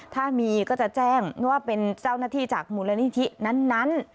ถ้ามีก็จะแจ้งว่าเป็นเจ้าหน้าที่จากมูลนิธินั้น